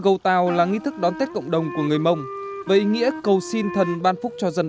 cầu tàu là nghi thức đón tết cộng đồng của người mông với ý nghĩa cầu xin thần ban phúc cho dân